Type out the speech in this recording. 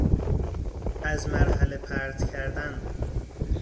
از مرحله پرت کردن